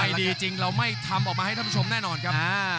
ดีจริงเราไม่ทำออกมาให้ท่านผู้ชมแน่นอนครับ